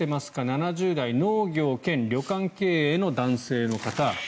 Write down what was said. ７０代農業兼旅館経営の男性の方。